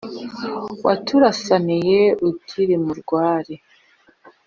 waturasaniye ukiri mu rwari,